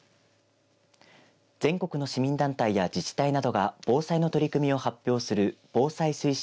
全国の市民団体や自治体などが防災の取り組みを発表する防災推進